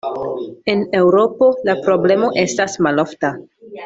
En Eŭropo la problemo estas malofta.